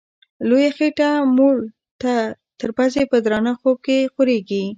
لویه خېټه موړ تر پزي په درانه خوب کي خوریږي